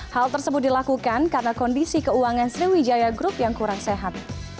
hal tersebut dilakukan karena kondisi keuangan sriwijaya group yang kurang sehat